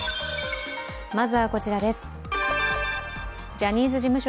ジャニーズ事務所